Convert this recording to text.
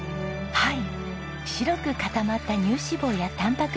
はい。